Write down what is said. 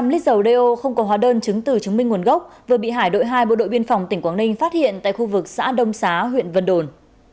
một trăm linh lít dầu đeo không có hóa đơn chứng từ chứng minh nguồn gốc vừa bị hải đội hai bộ đội biên phòng tỉnh quảng ninh phát hiện tại khu vực xã đông xá huyện vân đồn